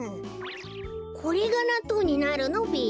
これがなっとうになるのべ？